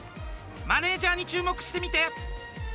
マネージャーに注目してみて。